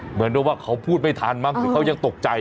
เหมือนว่าเขาพูดไม่ทันบ้างเหมือนเขายังตกใจ